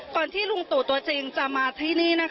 ที่ลุงตู่ตัวจริงจะมาที่นี่